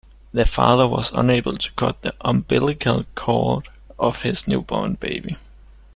The father was unable to cut the umbilical cord of his newborn baby.